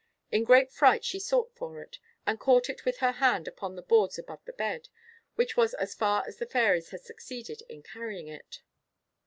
In great fright she sought for it, and caught it with her hand upon the boards above the bed, which was as far as the fairies had succeeded in carrying it.